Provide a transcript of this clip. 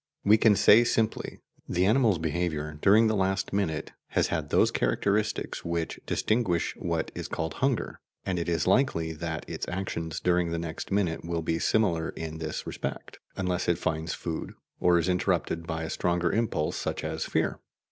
We can say simply: The animal's behaviour during the last minute has had those characteristics which distinguish what is called "hunger," and it is likely that its actions during the next minute will be similar in this respect, unless it finds food, or is interrupted by a stronger impulse, such as fear.